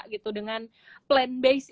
gitu dengan plan base